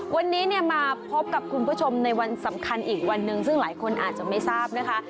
วันนี้เนี่ยมาพบกับคุณผู้ชมในวันสำคัญอีกวันหนึ่งซึ่งหลายคนอาจจะไม่ทราบนะคะ